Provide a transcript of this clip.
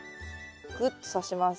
ぐっとさします。